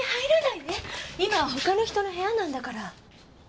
今は他の人の部屋なんだから。